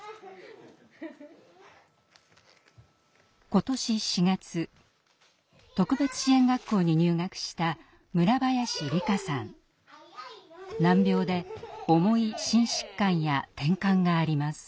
今年４月特別支援学校に入学した難病で重い心疾患やてんかんがあります。